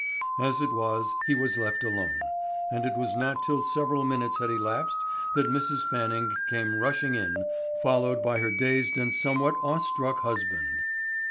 As it was he was left alone, and it was not till several minutes had elapsed that Mrs. Fanning came rushing in, followed by her dazed and somewhat awestruck husband.